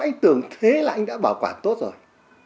anh tưởng thế là anh đã bảo quản tốt rồi